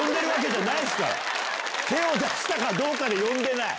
手を出したかどうかで呼んでない！